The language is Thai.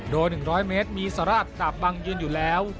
โดย๑๐๐เมตรมีสราชดาบบังยืนอยู่แล้ว